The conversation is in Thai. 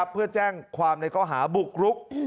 เพื่อแจ้งความในข้อหาบุกรุก